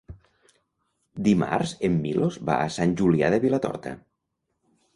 Dimarts en Milos va a Sant Julià de Vilatorta.